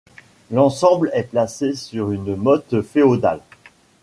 L'ensemble est placé sur une motte féodale.